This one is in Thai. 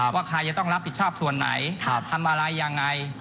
ว่าใครจะต้องรับผิดชอบส่วนไหนทำอะไรยังไง